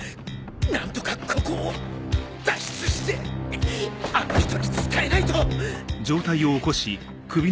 何とかここを脱出してあの人に伝えないとんん！